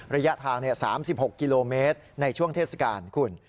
ระยะทาง๓๖กิโลเมตรในช่วงเทศกาลคุณ